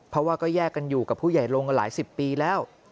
เพราะว่าก็แยกกันอยู่กับผู้ใหญ่ลงกันหลายสิบปีแล้ว